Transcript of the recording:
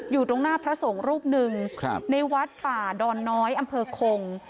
อยู่ตรงหน้าพระสงฆ์รูปหนึ่งในวัดป่าดอนน้อยอำเภอคง